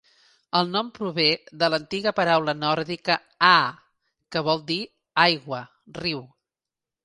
El nom prové de l'antiga paraula nòrdica "aa", que vol dir "aigua, riu".